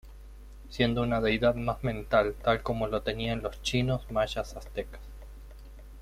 Siendo una Deidad más mental tal como lo tenían los Chinos, Mayas-Aztecas.